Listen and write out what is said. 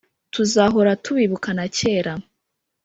Tuzahora tubibuka na kera